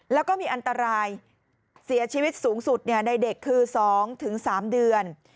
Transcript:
แล้วก็มีอันตรายเสียชีวิตสูงสุดในเด็กคือ๒๓เดือน